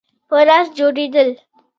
په لاس جوړېدل.